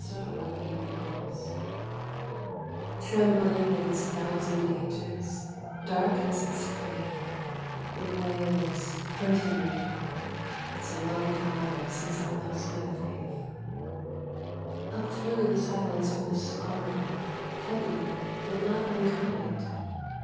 91 THE TEMPLE BELL Trembling in its thousand ages, Dark as its faith, It wails, hunting me, (It's a long time since I lost my faith,) Up through the silence with a scorn, Heavy but not unkind.